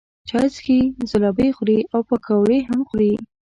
چای څښي، ځلوبۍ خوري او پیکوړې هم خوري.